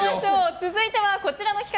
続いてはこちらの企画。